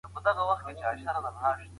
هر څوک د خپل برخلیک مسؤل پخپله دی.